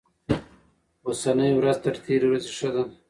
اوسنۍ ورځ تر تېرې ورځې ښه ده.